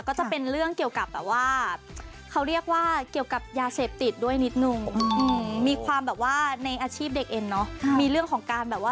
ก็จะเป็นเรื่องเกี่ยวกับแบบว่าเขาเรียกว่าเกี่ยวกับยาเสพติดด้วยนิดนึง